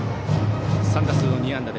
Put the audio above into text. ３打数２安打。